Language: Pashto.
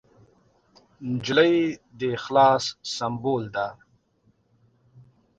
نجلۍ د اخلاص سمبول ده.